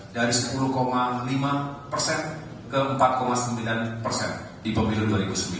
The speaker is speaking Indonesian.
dari sepuluh lima persen ke empat sembilan persen di pemilu dua ribu sembilan belas